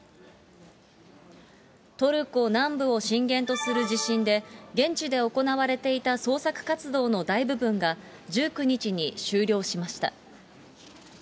トルコ南部を震源とする地震で、現地で行われていた捜索活動の大部分が、１９日に終了しました。